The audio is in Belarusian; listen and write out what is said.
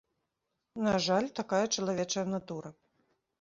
На жаль, такая чалавечая натура.